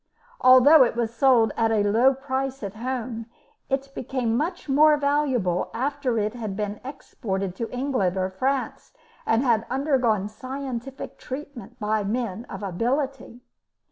Although it was sold at a low price at home, it became much more valuable after it had been exported to England or France, and had undergone scientific treatment by men of ability.